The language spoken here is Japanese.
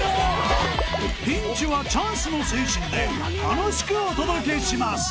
［ピンチはチャンスの精神で楽しくお届けします］